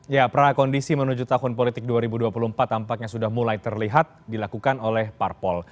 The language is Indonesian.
ya prakondisi menuju tahun politik dua ribu dua puluh empat tampaknya sudah mulai terlihat dilakukan oleh parpol